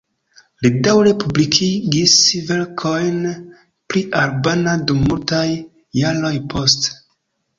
Li daŭre publikigis verkojn pri albana dum multaj jaroj poste.